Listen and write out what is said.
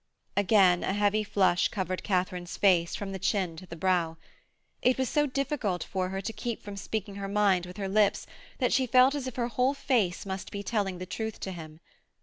Again a heavy flush covered Katharine's face from the chin to the brow. It was so difficult for her to keep from speaking her mind with her lips that she felt as if her whole face must be telling the truth to him.